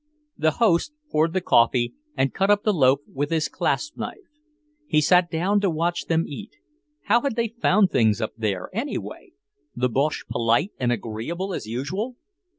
The host poured the coffee and cut up the loaf with his clasp knife. He sat down to watch them eat. How had they found things up there, anyway? The Boches polite and agreeable as usual?